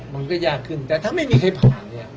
มันก็ยากขึ้นแต่ถ้าไม่มีใครผ่านเนี่ย